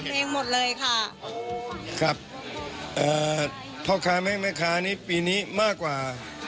เพลงหมดเลยค่ะครับเอ่อพ่อค้าแม่แม่ค้านี้ปีนี้มากกว่า